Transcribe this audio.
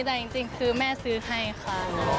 แต่จริงคือแม่ซื้อให้ค่ะ